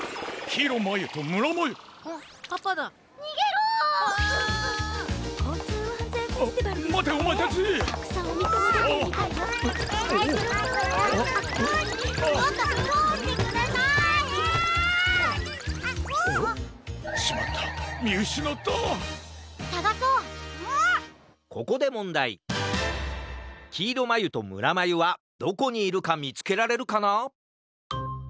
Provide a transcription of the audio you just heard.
きいろまゆとむらまゆはどこにいるかみつけられるかな？